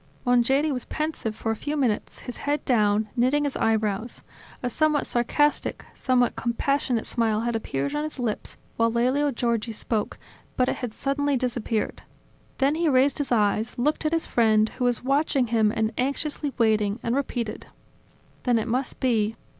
..." Mongeri was pensive for a few minutes, his head down, knitting his eyebrows. A somewhat sarcastic, somewhat compassionate smile had appeared on his lips while Lelio Giorgi spoke, but it had suddenly disappeared. Then he raised his eyes, looked at his friend, who was watching him and anxiously waiting, and repeated: "Then it must be?